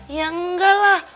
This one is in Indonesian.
ya enggak lah